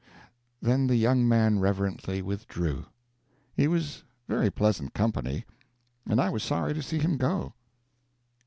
Then the young man reverently withdrew. He was very pleasant company, and I was sorry to see him go.